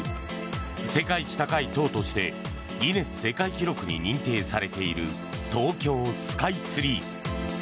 世界一高い塔としてギネス世界記録に認定されている東京スカイツリー。